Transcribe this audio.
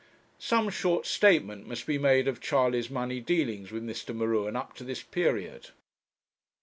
Some short statement must be made of Charley's money dealings with Mr. M'Ruen up to this period.